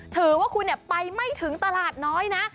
ถือว่าคุณไปไม่ถึงตลาดน้อยนะ